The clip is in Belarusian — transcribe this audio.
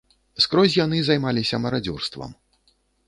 Скрозь яны займаліся марадзёрствам.